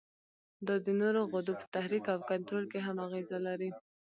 دا د نورو غدو په تحریک او کنترول کې هم اغیزه لري.